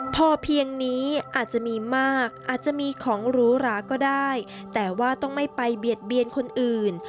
พอเพียงนี้อาจจะมีมากอาจจะมีของหรูหราก็ได้แต่ว่าต้องไม่ไปเบียดเบียนคนอื่น